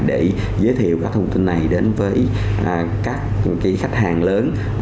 để giới thiệu các thông tin này đến với các khách hàng lớn